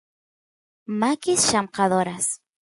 makis llamkadoras